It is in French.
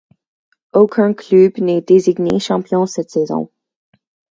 Aucun club n'est désigné champion cette saison.